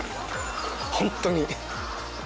本当に。